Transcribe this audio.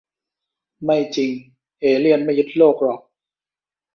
ไม่จริง เอเลี่ยนไม่ยึดโลกหรอก